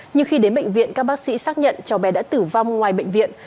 nhưng khi đến bệnh viện các bác sĩ xác nhận cháu bé đã tử vong ngoài bệnh viện